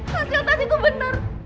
hasil tasikku benar